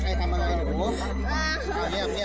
พี่แม่หาดูปัญชาด้วยเค้าดีนะ